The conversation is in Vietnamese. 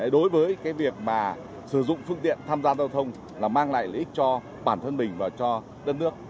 đối với việc mà sử dụng phương tiện tham gia giao thông là mang lại lợi ích cho bản thân mình và cho đất nước